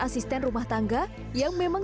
asisten rumah tangga yang memang